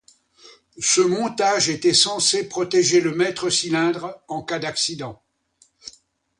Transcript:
Ce montage était censé protéger le maître-cylindre en cas d'accident.